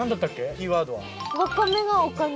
キーワードは。